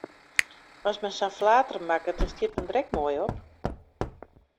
As men sa'n flater makket, dan stiet men der ek moai op!